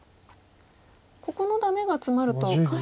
ここのダメがツマると下辺。